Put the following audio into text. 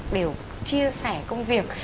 đều chia sẻ công việc